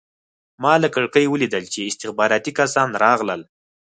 ما له کړکۍ ولیدل چې استخباراتي کسان راغلل